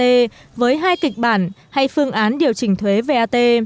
phương án một là phương án điều chỉnh thuế vat